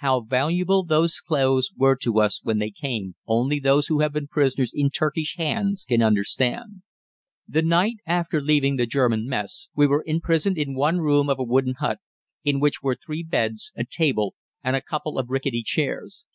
How valuable those clothes were to us when they came, only those who have been prisoners in Turkish hands can understand. The night after leaving the German mess we were imprisoned in one room of a wooden hut, in which were three beds, a table, and a couple of rickety chairs.